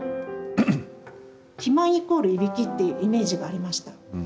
肥満イコールいびきってイメージがありました。